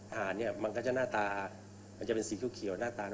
อาหารเนี่ยมันก็จะหน้าตามันจะเป็นสีเขียวหน้าตา